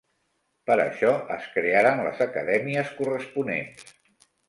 Per això, es crearen les Acadèmies Corresponents.